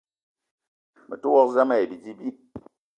Me te wok zam ayi bidi bi.